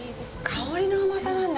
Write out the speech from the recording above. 香りの甘さなんだ！？